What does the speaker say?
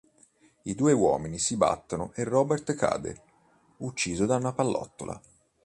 I due uomini si battono e Robert cade, ucciso da una pallottola.